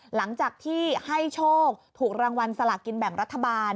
หลังจากที่ให้โชคถูกรางวัลสลากินแบ่งรัฐบาล